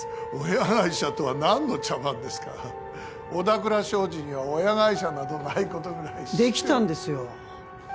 親会社とは何の茶番ですか小田倉商事には親会社などないことぐらいできたんですよ